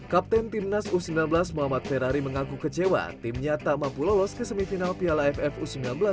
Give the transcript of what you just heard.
kapten timnas u sembilan belas muhammad ferrari mengaku kecewa timnya tak mampu lolos ke semifinal piala aff u sembilan belas